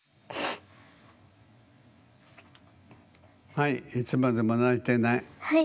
はいいつまでも泣いていない。